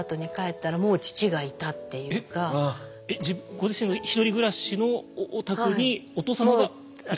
ご自身のひとり暮らしのお宅にお父様がいらっしゃった？